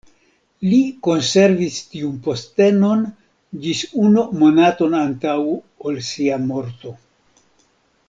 Li konservis tiun postenon ĝis unu monaton antaŭ ol sia morto.